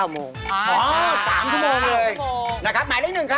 ๖โมง